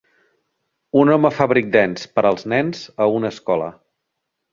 un home fa breakdance per als nens a una escola